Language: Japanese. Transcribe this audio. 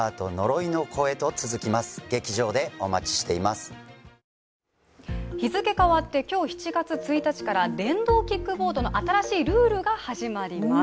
すてきなメッセージ日付変わって今日７月１日から電動キックボードの新しいルールが始まります